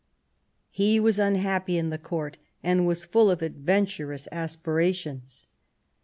He was unhappy in the Court, and was full of adventurous aspirations.